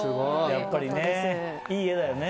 やっぱりね。